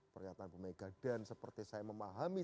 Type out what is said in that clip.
pernyataan bu mega dan seperti saya memahami